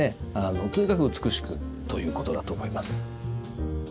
とにかく美しくということだと思います。